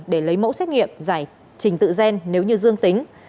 để lấy mẫu xét nghiệm giải trình tự gen nếu như dương tính